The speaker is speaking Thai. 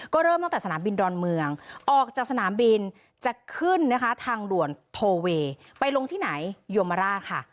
ก็เริ่มตั้งแต่สนามบินดอนเมืองออกจากสนามบินจะขึ้นนะคะทางด่วนโทเวย์ไปลงที่ไหนยมราชค่ะ